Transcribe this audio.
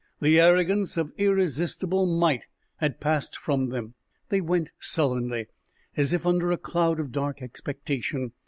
The arrogance of irresistible might had passed from them. They went sullenly, as if under a cloud of dark expectation.